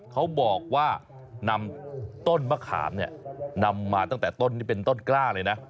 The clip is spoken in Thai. เขาบอกว่านำต้นมะขามเนี่ยนำมาตั้งแต่ต้นนี่เป็นต้นกล้าเลยนะ